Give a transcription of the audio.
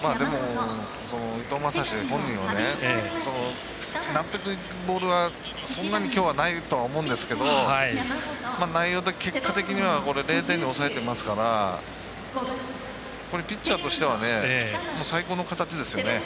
でも、伊藤将司本人は納得いくボールがそんなにきょうはないとは思うんですけど、結果的には０点に抑えてますからこれ、ピッチャーとしては最高の形ですよね。